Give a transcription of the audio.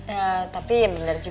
eh tapi yang bener juga ya